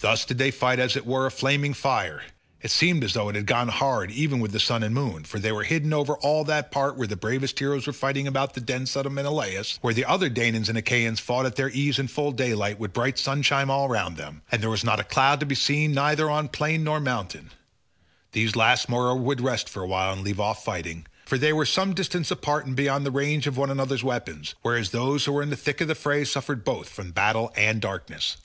Thus did they fight as it were a flaming fire; it seemed as though it had gone hard even with the sun and moon, for they were hidden over all that part where the bravest heroes were fighting about the dead son of Menoetius, whereas the other Danaans and Achaeans fought at their ease in full daylight with brilliant sunshine all round them, and there was not a cloud to be seen neither on plain nor mountain. These last moreover would rest for a while and leave off fighting, for they were some distance apart and beyond the range of one another's weapons, whereas those who were in the thick of the fray suffered both from battle and darkness.